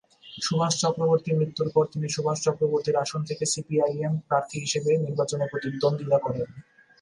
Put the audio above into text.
সুভাষ চক্রবর্তীর মৃত্যুর পর তিনি সুভাষ চক্রবর্তীর আসন থেকে সিপিআইএম প্রার্থী হিসেবে নির্বাচনে প্রতিদ্বন্দ্বিতা করেন।